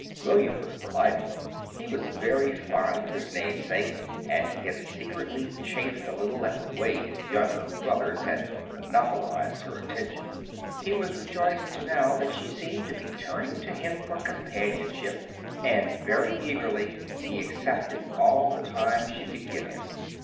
William was delighted. He was very fond of his namesake, and he had secretly chafed a little at the way his younger brothers had monopolized her attention. He was rejoiced now that she seemed to be turning to him for companionship; and very eagerly he accepted all the time she could give him.